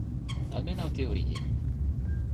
Almenaŭ teorie.